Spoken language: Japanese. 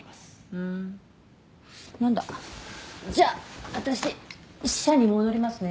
ふーんなんだじゃあ私社に戻りますね